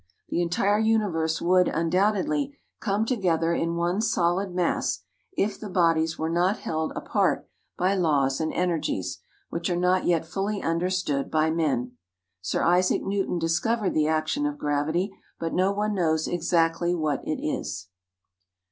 The entire universe would, undoubtedly, come together in one solid mass if the bodies were not held apart by laws and energies, which are not yet fully understood by men. Sir Isaac Newton discovered the action of gravity, but no one knows exactly what it is.